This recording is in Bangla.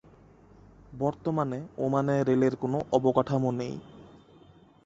বর্তমানে ওমানে রেলের কোনো অবকাঠামো নেই।